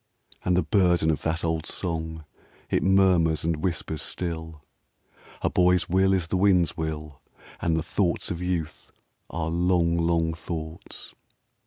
And the burden of that old song, It murmurs and whispers still : "A boy's will is the wind's will, And the thoughts of youth are long, long thoughts."